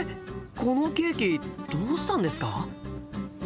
このケーキどうしたんですか？